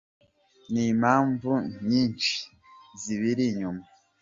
n’impamvu nyinshi zibiri inyuma.